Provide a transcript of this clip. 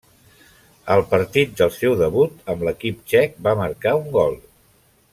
Al parit del seu debut amb l'equip txec va marcar un gol.